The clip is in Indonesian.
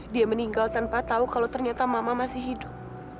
dia meninggal tanpa tahu kalau ternyata mama masih hidup